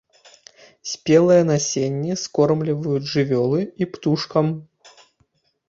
Спелае насенне скормліваюць жывёлы і птушкам.